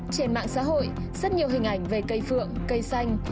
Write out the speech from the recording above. trên mạng xã hội rất nhiều hình ảnh về cây phượng cây xanh